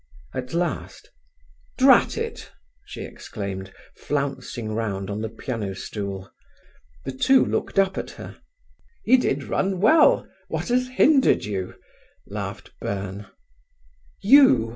At last: "Drat it," she exclaimed, flouncing round on the piano stool. The two looked up at her. "Ye did run well—what hath hindered you?" laughed Byrne. "You!"